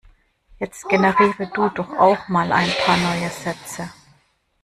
Jetzt generiere du doch auch mal ein paar neue Sätze.